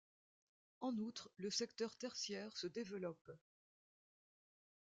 En outre, le secteur tertiaire se développe.